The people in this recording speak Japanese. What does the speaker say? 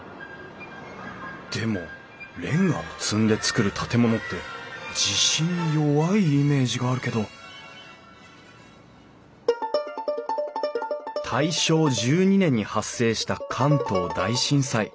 でもれんがを積んで造る建物って地震に弱いイメージがあるけど大正１２年に発生した関東大震災。